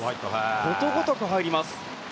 ことごとく入ります。